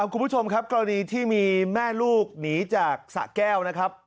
คุณผู้ชมครับกรณีที่มีแม่ลูกหนีจากสะแก้วนะครับ